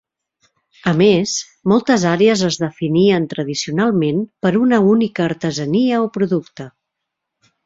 A més, moltes àrees es definien tradicionalment per una única artesania o producte.